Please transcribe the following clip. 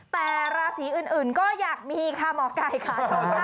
แต่ราศีอื่นก็อยากมีค่ะหมอไก่ค่ะ